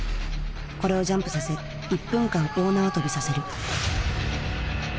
これをジャンプさせ１分間大縄跳びさせる。